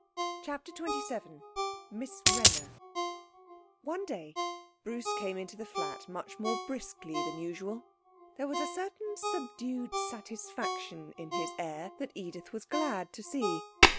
CHAPTER XXVII Miss Wrenner One day Bruce came into the flat much more briskly than usual. There was a certain subdued satisfaction in his air that Edith was glad to see.